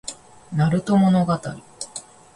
なると物語